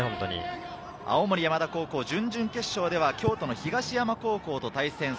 青森山田高校、準々決勝では京都の東山高校と対戦。